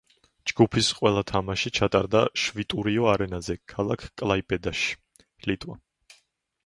ჯგუფის ყველა თამაში ჩატარდა შვიტურიო არენაზე ქალაქ კლაიპედაში, ლიტვა.